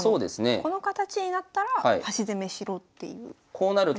この形になったら端攻めしろっていう感じで。